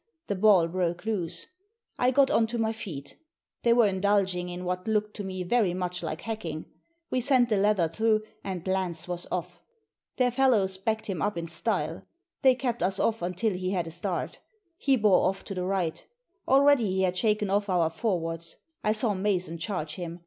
The ball broke loose. I got on to my feet They were indulging in what looked to me very much like hacking. We sent the leather through, and Lance was off! Their fellows backed him up in style. They kept us off until he had a start He bore off to the right Already he had shaken off our forwards. I saw Mason charge him.